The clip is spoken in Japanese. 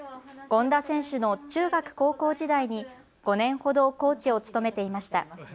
権田選手の中学高校時代に５年ほどコーチを務めていました。